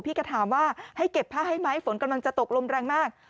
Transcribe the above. แกถามว่าให้เก็บผ้าให้ไหมฝนกำลังจะตกลมแรงมาก